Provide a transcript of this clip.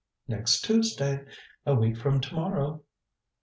"Next Tuesday. A week from to morrow."